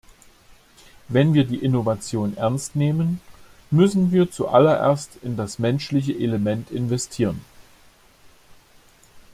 Wenn wir die Innovation ernst nehmen, müssen wir zuallererst in das menschliche Element investieren.